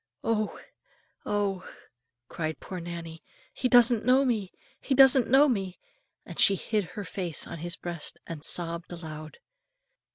"Oh! oh!" cried poor Nannie, "he doesn't know me, he doesn't know me;" and she hid her face on his breast and sobbed aloud.